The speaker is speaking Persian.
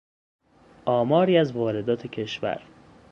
آماری از واردات کشور